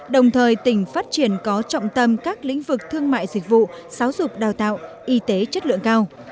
đồng thời tỉnh phát triển có trọng tâm các lĩnh vực thương mại dịch vụ giáo dục đào tạo y tế chất lượng cao